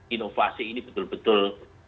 inovasi ini betul betul